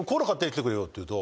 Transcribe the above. って言うと。